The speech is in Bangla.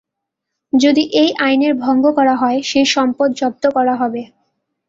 যদি এই আইনের ভঙ্গ করা হয় সেই সম্পদ জব্দ করা হবে।